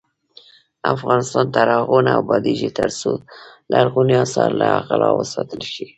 افغانستان تر هغو نه ابادیږي، ترڅو لرغوني اثار له غلا وساتل شي.